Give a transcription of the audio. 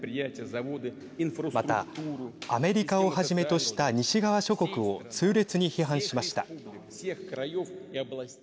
また、アメリカをはじめとした西側諸国を痛烈に批判しました。